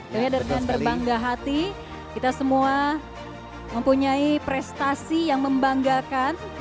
dan dengan berbangga hati kita semua mempunyai prestasi yang membanggakan